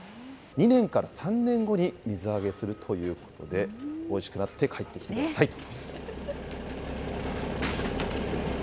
２年から３年後に水揚げするということで、おいしくなって帰ってきてくださいと。